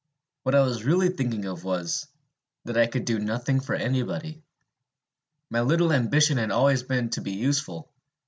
What I was really thinking of was, that I could do nothing for anybody. My little ambition had always been to be useful.